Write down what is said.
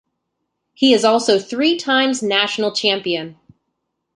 He is also three times national champion.